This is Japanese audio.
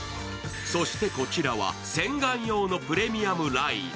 そしてこちらは洗顔用のプレミアムライン。